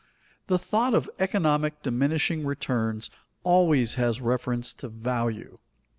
The thought of economic diminishing returns always has reference to value.